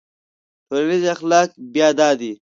ټولنیز اخلاق بیا دا دي.